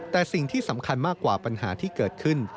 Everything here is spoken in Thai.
แต่สิ่งที่สำคัญมากกว่าปัญหาที่เกิดขึ้น